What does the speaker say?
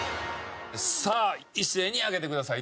さあ一斉に上げてください。